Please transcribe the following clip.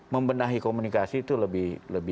membenahi komunikasi itu lebih